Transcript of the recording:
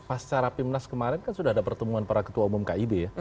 pas cara pimnas kemarin kan sudah ada pertemuan para ketua umum kib